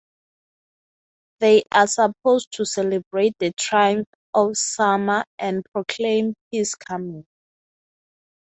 They are supposed to celebrate the triumph of Summer and proclaim his coming.